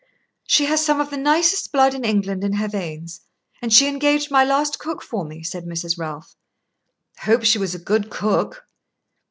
"She has some of the nicest blood in England in her veins, and she engaged my last cook for me," said Mrs. Ralph. "Hope she was a good cook."